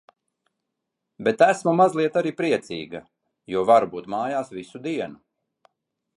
Bet esmu mazliet arī priecīga. Jo varu būt mājās visu dienu.